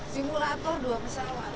simulator dua pesawat